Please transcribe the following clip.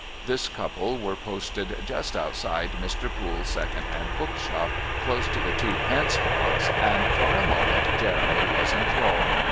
This couple were posted just outside Mr. Poole's second hand bookshop, close to the "2d." box, and for a moment Jeremy was enthralled.